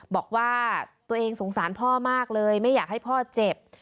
บอกว่าตัวเองสงสารพ่อมากเลยไม่อยากให้พ่อเจ็บ